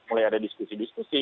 mulai ada diskusi diskusi